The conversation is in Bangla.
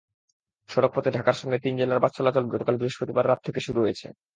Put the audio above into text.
সড়কপথে ঢাকার সঙ্গে তিন জেলার বাস চলাচল গতকাল বৃহস্পতিবার রাত থেকে শুরু হয়েছে।